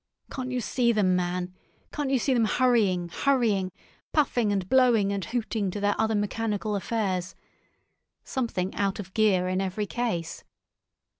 Can't you see them, man? Can't you see them hurrying, hurrying—puffing and blowing and hooting to their other mechanical affairs? Something out of gear in every case.